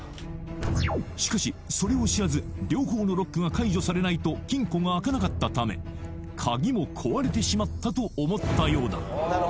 しかしそれを知らず両方のロックが解除されないと金庫が開かなかったため鍵も壊れてしまったと思ったようだ